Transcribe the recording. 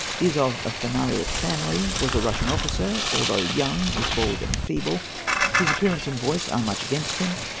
—Is of a Phanariot family; was a Russian officer; although young, is bald and feeble. His appearance and voice are much against him.